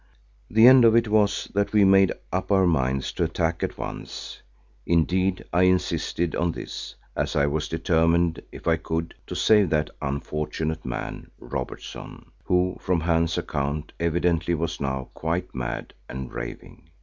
The end of it was that we made up our minds to attack at once; indeed I insisted on this, as I was determined if I could to save that unfortunate man, Robertson, who, from Hans' account, evidently was now quite mad and raving.